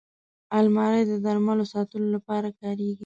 الماري د درملو ساتلو لپاره کارېږي